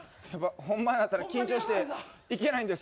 本番なったら緊張していけないんです